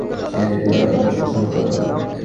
একদা সে গীতার অত্যন্ত প্রশংসা করে।